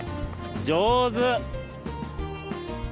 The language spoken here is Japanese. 上手。